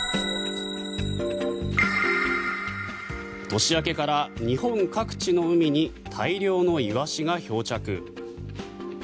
年明けから日本各地の海に大量のイワシが漂着。